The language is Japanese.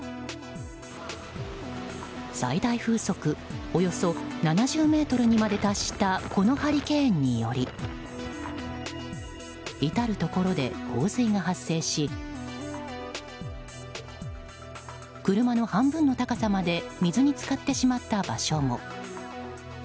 最大風速およそ７０メートルにまで達したこのハリケーンにより至るところで洪水が発生し車の半分の高さまで水に浸かってしまった場所も。